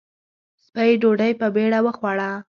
سپۍ ډوډۍ په بېړه وخوړه.